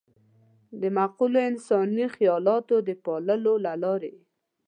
د معقولو انساني خيالاتو د پاللو له لارې.